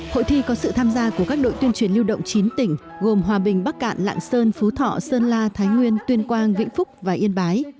hội thi có sự tham gia của các đội tuyên truyền lưu động chín tỉnh gồm hòa bình bắc cạn lạng sơn phú thọ sơn la thái nguyên tuyên quang vĩnh phúc và yên bái